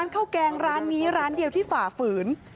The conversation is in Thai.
ข้าวแกงร้านนี้ร้านเดียวที่ฝ่าฝืน